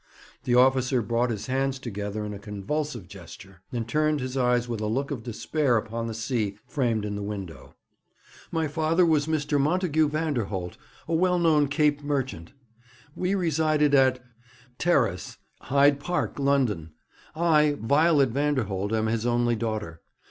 The officer brought his hands together in a convulsive gesture, and turned his eyes with a look of despair upon the sea, framed in the window. 'My father was Mr. Montagu Vanderholt, a well known Cape merchant. We resided at Terrace, Hyde Park, London. I, Violet Vanderholt, am his only daughter.